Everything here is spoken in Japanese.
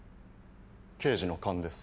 刑事の勘です。